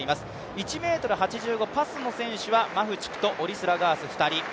１ｍ８５をパスの選手はマフチクとオリスラガースの２人。